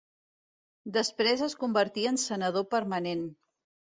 Després es convertí en senador permanent.